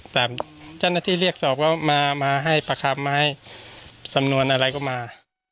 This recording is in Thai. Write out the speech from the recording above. แต่เจ้าหน้าที่เรียกสอบว่ามาให้ประคัมไหมสำนวนอะไรก็มา